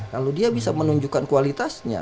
kalau dia bisa menunjukkan kualitasnya